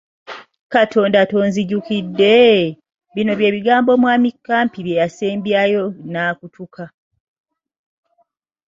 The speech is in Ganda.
“Katonda tonzijukidde?” Bino bye bigambo mwami Kampi bye yasembyayo n’akutuka.